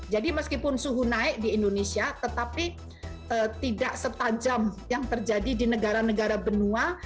meskipun suhu naik di indonesia tetapi tidak setajam yang terjadi di negara negara benua